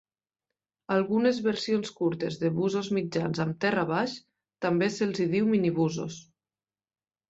Algunes versions curtes de busos mitjans amb terra baix també se'ls hi diu minibusos.